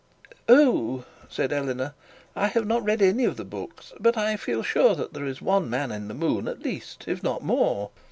'Oh!' said Eleanor; 'I have not read any of the books, but I feel sure that there is one man in the moon at least, if not more.'